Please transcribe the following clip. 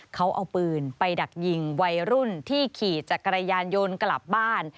เขาเอาปืนไปดักยิงวัยรุ่นที่ขี่จักรยานยนต์กลับบ้าน